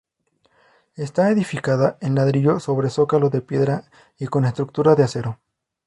Está edificada en ladrillo sobre zócalo de piedra y con estructura de acero.